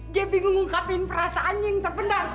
dia bingung ngungkapin perasaannya yang terpendam